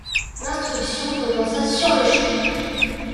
L’instruction commença sur-le-champ.